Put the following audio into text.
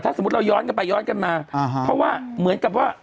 สมมุติเราย้อนกันไปย้อนกันมาเพราะว่าเหมือนกับว่า